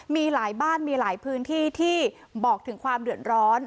มีหลายบ้านมีหลายพื้นที่ที่บอกถึงความเดือดร้อน